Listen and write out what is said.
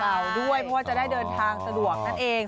ด้วยเพราะว่าจะได้เดินทางสะดวกนั่นเอง